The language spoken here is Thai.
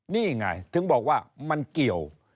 นี่ไงถึงบอกว่ามันเกี่ยว